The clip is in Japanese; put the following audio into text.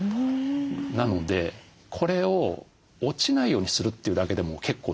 なのでこれを落ちないようにするというだけでも結構大事なんです。